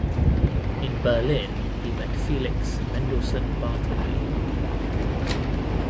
In Berlin he met Felix Mendelssohn Bartholdy.